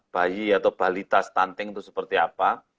bayi atau balita stunting itu seperti apa